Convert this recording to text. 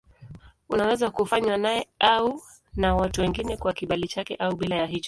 Unaweza kufanywa naye au na watu wengine kwa kibali chake au bila ya hicho.